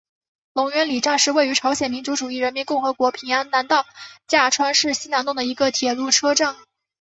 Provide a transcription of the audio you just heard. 龙源里站是位于朝鲜民主主义人民共和国平安南道价川市西南洞的一个铁路车站。